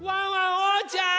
おうちゃん！